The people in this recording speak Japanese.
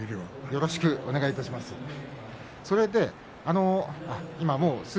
よろしくお願いします。